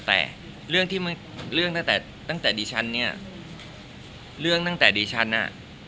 แต่เรื่องที่ตั้งแต่ดิฉันเนี่ยเรื่องตั้งแต่ดิฉันอ่ะ